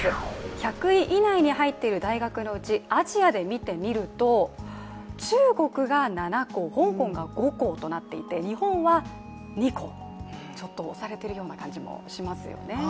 １００位以内に入っている大学のうちアジアで見てみると、中国が７校香港が５校となっていて日本は２校、ちょっと押されているような感じもしますよね。